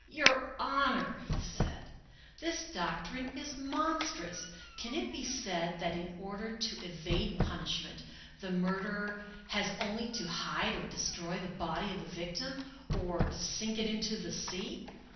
" Your Honor," he said, " this doctrine is monstrous. Can it be said that, in order to evade punishment, the mur derer has only to hide or destroy the body of the victim, or sink it into the sea?